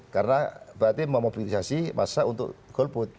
karena berarti memobilisasi masa untuk golput